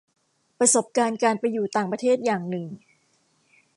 ประสบการณ์การไปอยู่ต่างประเทศอย่างหนึ่ง